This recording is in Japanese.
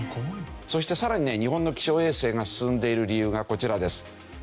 そしてさらにね日本の気象衛星が進んでいる理由がこちらです。